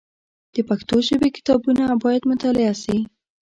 د پښتو ژبي کتابونه باید مطالعه سي.